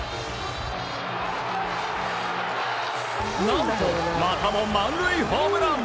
何と、またも万塁ホームラン！